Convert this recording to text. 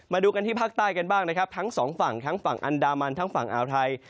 มาดูกันที่ภาคใต้กันบ้างนะครับทั้งสองฝั่งทั้งฝั่งอันดามันทั้งฝั่งอ่าวไทย